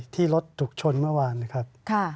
ที่รถถูกชนเมื่อวานนะครับ